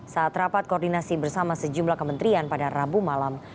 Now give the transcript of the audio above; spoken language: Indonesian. saat rapat koordinasi bersama sejumlah kementerian pada rabu malam